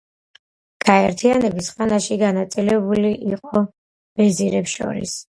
გაერთიანების ხანაში განაწილებული იყო ვეზირებს შორის.